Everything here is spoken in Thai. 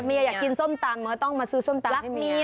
เมียอยากกินส้มตำต้องมาซื้อส้มตำให้เมีย